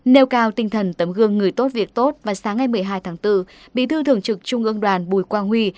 nêu cao tinh thần tấm gương người tốt việc tốt vào sáng ngày một mươi hai tháng bốn bí thư thường trực trung ương đoàn bùi quang huy